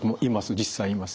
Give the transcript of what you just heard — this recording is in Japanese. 実際いますね。